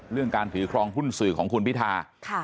การถือครองหุ้นสื่อของคุณพิธา